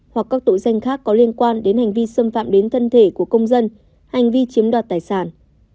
hoặc các tội danh khác có liên quan đến hành vi xâm phạm đến thân thể của công dân hành vi chiếm đoạt tài sản